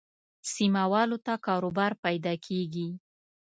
سیمه والو ته کاروبار پیدا کېږي.